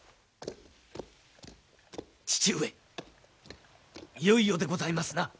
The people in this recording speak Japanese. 父上いよいよでございますな。